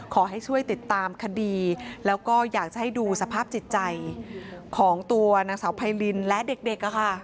ขอให้ช่วยติดตามคดีแล้วก็อยากจะให้ดูสภาพจิตใจของตัวนางสาวไพรินและเด็ก